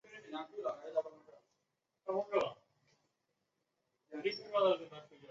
偕二醇一般是不稳定的。